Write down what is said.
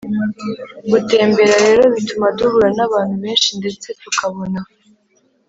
gutembera rero bituma duhura n’abantu benshi ndetse tukabona